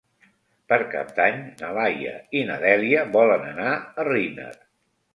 Per Cap d'Any na Laia i na Dèlia volen anar a Riner.